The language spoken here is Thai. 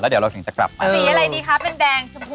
แล้วเดี๋ยวเราก็จะกลับมา